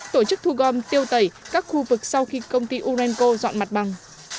tổ chức thu gom tiêu tẩy các khu vực sau khi công ty urenco dọn mặt bằng